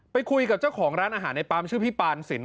ไปคุยกับเจ้าของร้านอาหารในปั๊มชื่อพี่ปานสิน